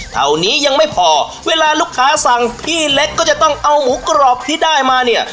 เท่านี้ยังไม่พอเวลาลูกค้าสั่งพี่เล็กก็จะต้องเอาหมูกรอบที่ได้มาเนี่ย